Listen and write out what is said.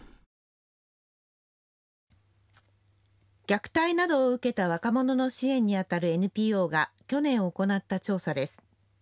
虐待などを受けた若者の支援にあたるＮＰＯが去年、行った調査です。